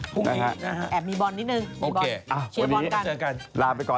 จีบอนกันลาไปก่อน